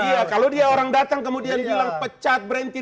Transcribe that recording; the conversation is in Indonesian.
iya kalau dia orang datang kemudian bilang pecat berhenti